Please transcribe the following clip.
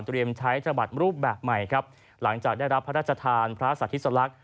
เตรียมใช้ธนบัตรรูปแบบใหม่ครับหลังจากได้รับพระราชทานพระศัตริยศลักษณ์